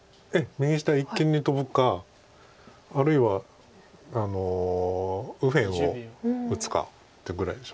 右下一間にトブかあるいは右辺を打つかってぐらいでしょうか。